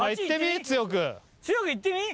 強くいってみ！